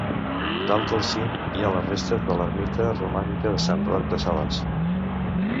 Dalt del cim hi ha les restes de l'ermita romànica de Sant Roc de Salàs.